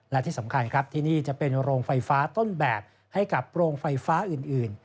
และที่สำคัญครับที่นี่จะเป็นโรงไฟฟ้าต้นแบบให้กับโรงไฟฟ้าอื่น